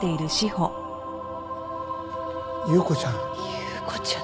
祐子ちゃん。